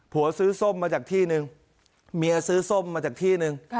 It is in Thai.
ซื้อส้มมาจากที่นึงเมียซื้อส้มมาจากที่หนึ่ง